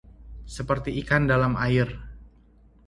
Seperti ikan dalam air